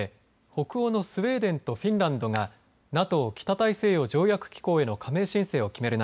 北欧のスウェーデンとフィンランドがＮＡＴＯ、北大西洋条約機構への加盟申請を決める